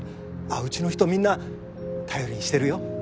うちの人みんな頼りにしてるよ？